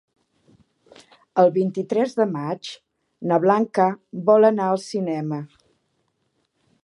El vint-i-tres de maig na Blanca vol anar al cinema.